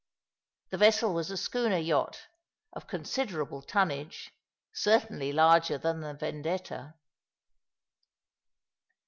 The vessel was a schooner yacht, of considerable tonnage, certainly larger than the Vendetta.